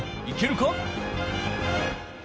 いけるか？